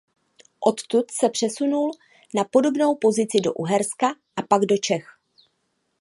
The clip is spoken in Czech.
Odtud se přesunul na podobnou pozici do Uherska a pak do Čech.